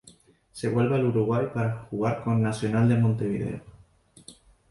Se vuelve al Uruguay para jugar con Nacional de Montevideo.